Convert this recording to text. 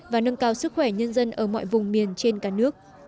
và nâng cao sức khỏe nhân dân ở mọi vùng miền trên